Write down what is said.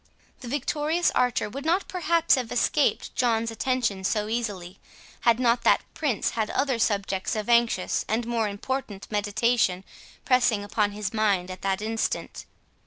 The victorious archer would not perhaps have escaped John's attention so easily, had not that Prince had other subjects of anxious and more important meditation pressing upon his mind at that instant.